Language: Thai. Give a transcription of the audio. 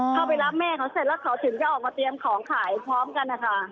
เข้าไปรับแม่เขาเสร็จแล้วเขาถึงจะออกมาเตรียมของขายพร้อมกันนะคะ